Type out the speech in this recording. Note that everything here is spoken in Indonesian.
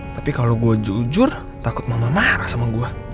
tapi kalau gue jujur takut mama marah sama gue